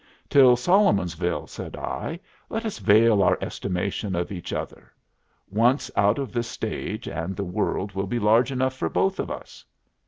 "Till Solomonsville," said I, "let us veil our estimation of each other. Once out of this stage and the world will be large enough for both of us."